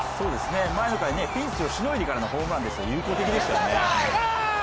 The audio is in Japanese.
前の回、ピンチをしのいでからのホームランでしたから有効的でしたよね。